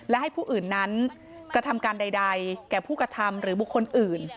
และให้ผู้อื่นนั้นกระทำการใดแก่ผู้กระทำหรือบุคคลอื่น